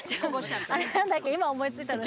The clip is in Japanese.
今思い付いたのに。